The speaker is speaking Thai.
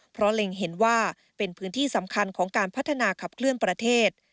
เพราะเล็งเห็นว่าเป็นพื้นที่สำคัญของการพัฒนาขับเคลื่อนประเทศ